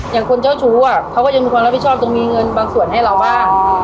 อย่างคนเจ้าชู้เขาก็ยังมีความรับผิดชอบจะมีเงินบางส่วนให้เราบ้าง